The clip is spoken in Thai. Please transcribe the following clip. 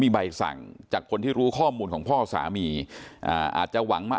มีใบสั่งจากคนที่รู้ข้อมูลของพ่อสามีอ่าอาจจะหวังมา